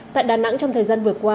tại đà nẵng trong thời gian vừa qua